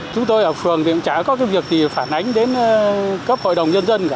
chúng tôi ở phường thì cũng chả có cái việc thì phản ánh đến cấp hội đồng nhân dân cả